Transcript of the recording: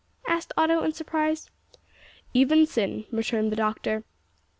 asked Otto, in surprise. "Even sin," returned the doctor.